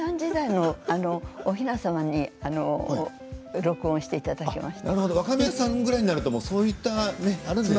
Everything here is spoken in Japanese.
平安時代のおひな様に録音していただきました。